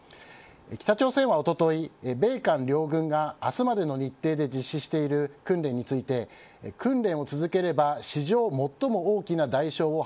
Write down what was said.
北朝鮮はおととい米韓両軍が明日までの日程で実施している訓練について訓練を続ければ史上最も大きな代償を